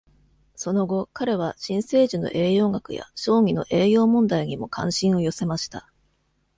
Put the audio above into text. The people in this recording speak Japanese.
その後、彼は新生児の栄養学や小児の栄養問題にも関心を寄せました。